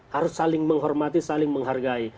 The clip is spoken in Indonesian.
harus saling menghormati saling menghargai